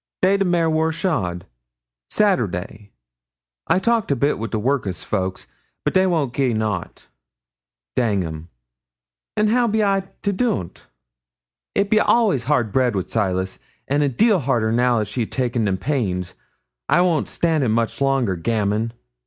'Day the mare wor shod Saturday. I talked a bit wi' the workus folk, but they won't gi'e nout dang 'em an' how be I to do't? It be all'ays hard bread wi' Silas, an' a deal harder now she' ta'en them pains. I won't stan' it much longer. Gammon!